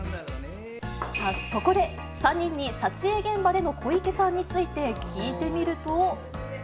そこで、３人に撮影現場での小池さんについて聞いてみると。